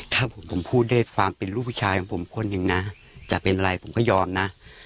ถ้าผมพูดด้วยความเป็นลูกผู้ชายของผมคนหนึ่งนะจะเป็นอะไรผมก็ยอมนะ